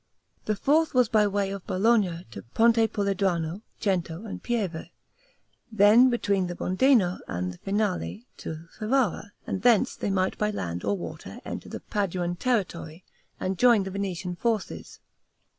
The fourth was by the way of Bologna to Ponte Puledrano, Cento, and Pieve; then between the Bondeno and the Finale to Ferrara, and thence they might by land or water enter the Paduan territory, and join the Venetian forces.